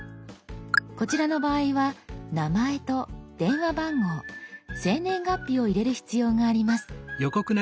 こちらの場合は「名前」と「電話番号」「生年月日」を入れる必要があります。